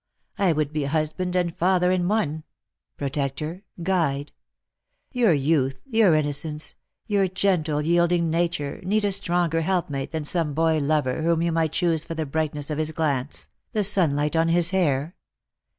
I would be husband and father in one ; protector, guide. Tour youth, your innocence, your gentle yielding nature, need a stronger helpmate than some boy lover whom you might choose for the brightness of his glance, the sunlight on his hair.